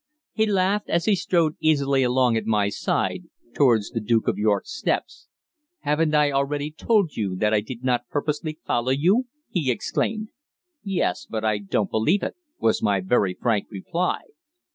He laughed as he strode easily along at my side towards the Duke of York's steps. "Haven't I already told you that I did not purposely follow you?" he exclaimed. "Yes, but I don't believe it," was my very frank reply.